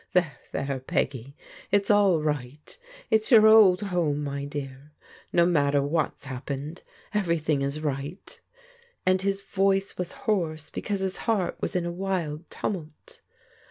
"There, there, Peggy, it's all right! It's your old home, my dear! No matter what's happened. Every thing is right," and his voice was hoarse because his heart was a wild tumult.